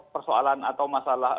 persoalan atau masalah